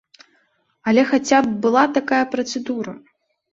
Але хаця б была такая працэдура.